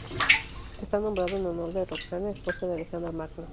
Está nombrado en honor de Roxana, esposa de Alejandro Magno.